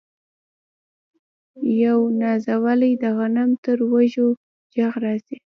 یو نازولی د غنم تر وږو ږغ راځي